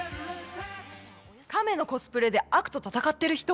カメのコスプレで悪と戦ってる人？